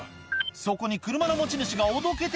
そこに車の持ち主がおどけて